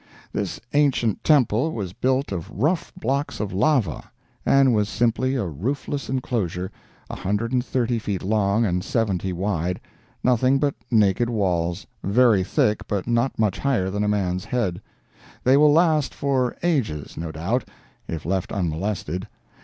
This ancient temple was built of rough blocks of lava, and was simply a roofless inclosure, a hundred and thirty feet long and seventy wide—nothing but naked walls, very thick but not much higher than a man's head. They will last for, ages, no doubt, if left unmolested.